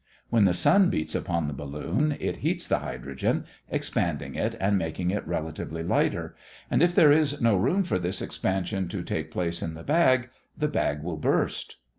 When the sun beats upon a balloon, it heats the hydrogen, expanding it and making it relatively lighter, and if there is no room for this expansion to take place in the bag, the bag will burst.